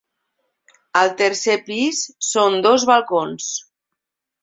Al tercer pis són dos balcons.